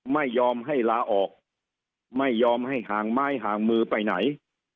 ไม่ยอมให้ลาออกไม่ยอมให้ห่างไม้ห่างมือไปไหน